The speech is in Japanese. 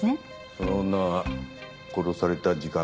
その女が殺された時間か。